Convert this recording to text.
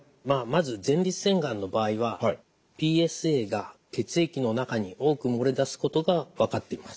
まず前立腺がんの場合はＰＳＡが血液の中に多く漏れ出すことが分かっています。